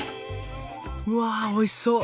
うわおいしそう！